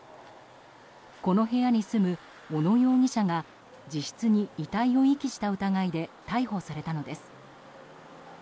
この部屋に住む小野容疑者が自室に遺体を遺棄した疑いで逮捕されたのです。